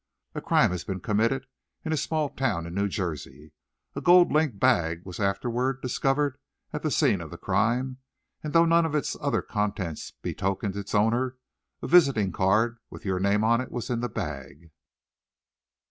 "A crime has been committed in a small town in New Jersey. A gold link bag was afterward discovered at the scene of the crime, and though none of its other contents betokened its owner, a visiting card with your name on it was in the bag."